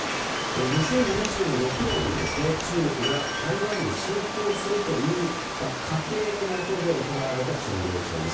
２０２６年に中国が台湾に侵攻するという仮定のもとで行われたシミュレーションです。